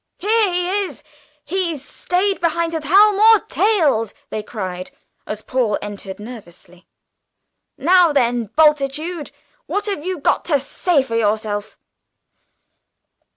"Here he is! He's stayed behind to tell more tales!" they cried, as Paul entered nervously. "Now then, Bultitude, what have you got to say for yourself?"